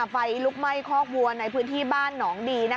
ไฟลุกไหม้คอกวัวในพื้นที่บ้านหนองดี